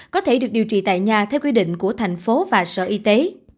có thể được điều trị tại nhà theo quy định của thành phố và sở y tế